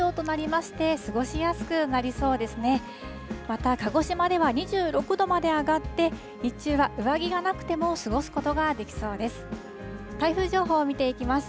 また、鹿児島では２６度まで上がって、日中は上着がなくても過ごすことができそうです。